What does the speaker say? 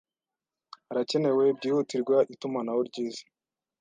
Harakenewe byihutirwa itumanaho ryiza.